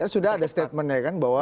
sudah ada statement ya kan bahwa